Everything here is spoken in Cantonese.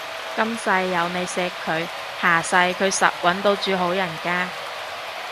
今世有你錫佢，下世佢實搵到住好人家